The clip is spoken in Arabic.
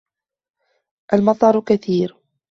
الْمَطَرُ كَثِيرٌ.